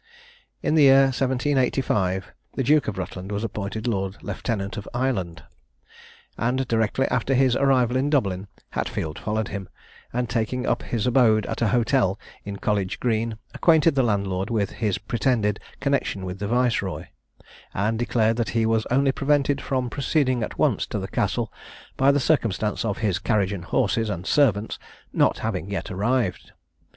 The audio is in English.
In the year 1785, the Duke of Rutland was appointed lord lieutenant of Ireland; and directly after his arrival in Dublin, Hatfield followed him, and taking up his abode at a hotel in College green, acquainted the landlord with his pretended connexion with the viceroy, and declared that he was only prevented from proceeding at once to the Castle, by the circumstance of his carriage, and horses, and servants, not having yet arrived.